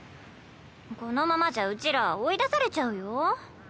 このままじゃうちら追い出されちゃうよ。